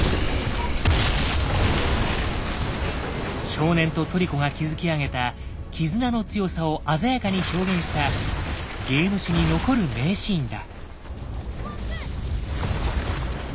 少年とトリコが築き上げた絆の強さを鮮やかに表現したゲーム史に残る名シーンだ。